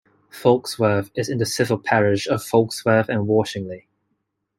Folksworth is in the civil parish of Folksworth and Washingley.